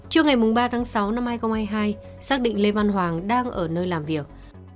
trước ngày ba tháng sáu năm hai nghìn hai mươi hai xác định lê văn hoàng đang ở nơi làm việc